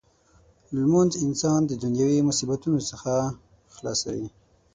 لمونځ انسان د دنیايي مصیبتونو څخه خلاصوي.